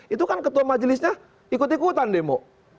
itu kan ketua majelisnya ikut ikutan demo